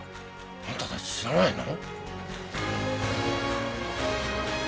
あんたたち知らないの？